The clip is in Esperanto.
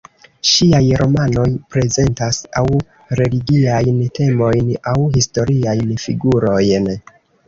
Ŝiaj romanoj prezentas aŭ religiajn temojn, aŭ historiajn figurojn.